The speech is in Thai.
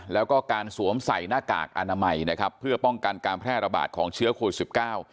แล้วก็การสวมใส่หน้ากากอนามัยนะครับเพื่อป้องกันการแพร่ระบาดของเชื้อโควิดสิบเก้า